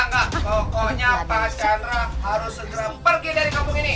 pokoknya pak chandra harus segera pergi dari kampung ini